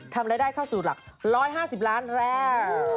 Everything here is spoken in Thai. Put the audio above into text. ทำรายได้เข้าสู่หลัก๑๕๐ล้านแรง